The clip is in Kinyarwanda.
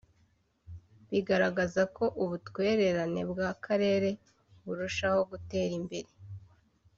bigaragaza ko ubutwererane bw’Akarere burushaho gutera imbere